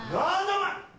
お前！